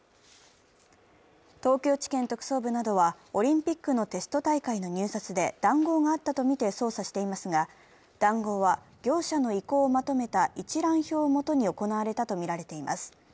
東京地検特捜部などは、オリンピックのテスト大会の入札で談合があったとみて捜査していますが談合は、業者の意向をまとめた一覧表を基に行われたとみられています。